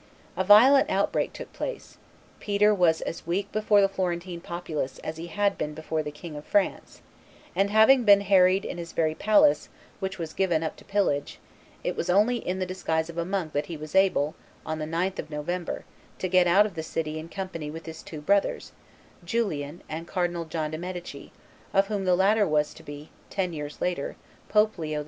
A violent outbreak took place; Peter was as weak before the Florentine populace as he had been before the King of France; and, having been harried in his very palace, which was given up to pillage, it was only in the disguise of a monk that he was able, on the 9th of November, to get out of the city in company with his two brothers, Julian and Cardinal John de' Medici, of whom the latter was to be, ten years later, Pope Leo X.